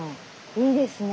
いいですね。